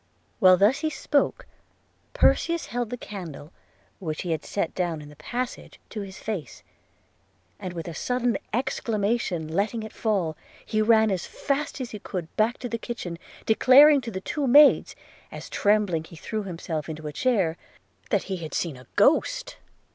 While he thus spoke, Perseus held the candle, which he had set down in the passage, to his face, and with a sudden exclamation letting it fall, he ran as fast as he could back into the kitchen, declaring to the two maids, as trembling he threw himself into a chair, that he had seen a ghost.